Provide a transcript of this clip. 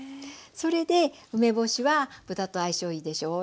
それで梅干しは豚と相性いいでしょう？